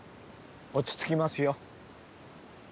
落ち着きますよ。